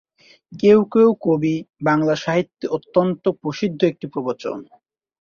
কেউ কেউ কবি’’ বাংলা সাহিত্যে অত্যন্ত প্রসিদ্ধ একটি প্রবচন।